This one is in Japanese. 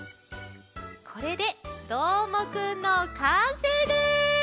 これでどーもくんのかんせいです！